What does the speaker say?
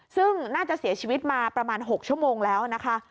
ซึ่งน่าจะเสียชีวิตมาประมาณ๖ชั่วโมงแล้วนะคะ